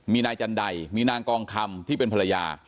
มีนายจันใดมีนางกองคำที่เป็นภรรยา